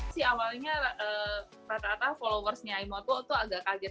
si awalnya rata rata followersnya imoto tuh agak kaget